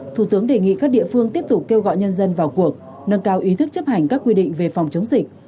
thủ tướng đề nghị các địa phương tiếp tục kêu gọi nhân dân vào cuộc nâng cao ý thức chấp hành các quy định về phòng chống dịch